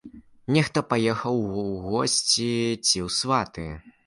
Нехта паехаў у госці ці ў сваты.